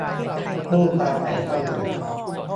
- ผู้ปราศัยท่านหนึ่ง